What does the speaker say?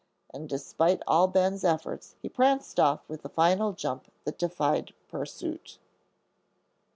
And despite all Ben's efforts he pranced off with a final jump that defied pursuit.